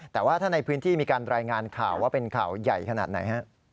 แต่ว่าถ้าในพื้นที่มีการรายงานข่าวว่าเป็นข่าวใหญ่ขนาดไหนฮะ